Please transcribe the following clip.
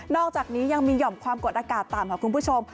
อกจากนี้ยังมีหย่อมความกดอากาศต่ำค่ะคุณผู้ชม